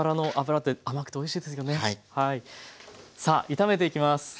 さあ炒めていきます。